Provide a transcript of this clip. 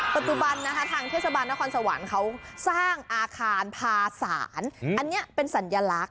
ปัจจุบันนะคะทางเทศบาลนครสวรรค์เขาสร้างอาคารพาศาลอันนี้เป็นสัญลักษณ